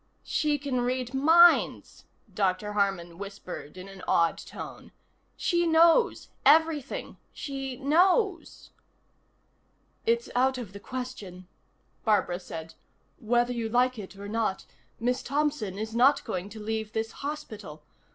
"She can read minds," Dr. Harman whispered in an awed tone. "She knows. Everything. She knows." "It's out of the question," Barbara said. "Whether you like it or not, Miss Thompson is not going to leave this hospital.